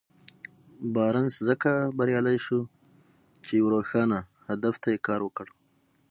بارنس ځکه بريالی شو چې يوه روښانه هدف ته يې کار وکړ.